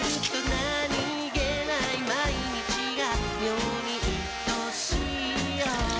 何気ない毎日が妙にいとしいよ